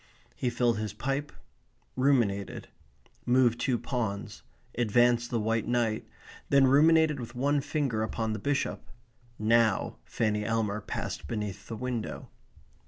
He filled his pipe; ruminated; moved two pawns; advanced the white knight; then ruminated with one finger upon the bishop. Now Fanny Elmer passed beneath the window.